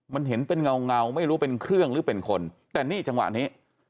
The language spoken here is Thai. มันเห็นเป็นเงาเงาไม่รู้เป็นเครื่องหรือเป็นคนแต่นี่จังหวะนี้